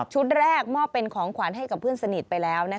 แรกมอบเป็นของขวัญให้กับเพื่อนสนิทไปแล้ว